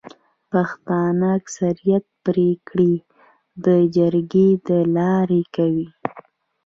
پښتانه اکثريت پريکړي د جرګي د لاري کوي.